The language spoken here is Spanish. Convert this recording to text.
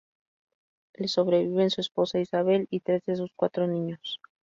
Le sobreviven su esposa Isabel, y tres de sus cuatro niños.